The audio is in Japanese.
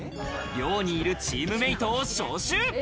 寮にいるチームメートを招集。